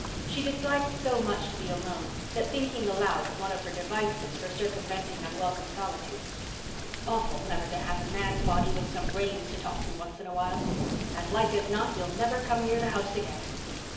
She disliked so much to be alone that thinking aloud was one of her devices for circumventing unwelcome solitude. "It's awful never to have a man body with some brains to talk to once in a while. And like as not he'll never come near the house again.